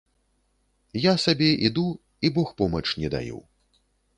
Я сабе іду і богпомач не даю.